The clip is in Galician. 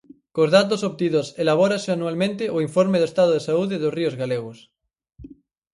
Cos datos obtidos elabórase anualmente o informe do estado de saúde dos ríos galegos.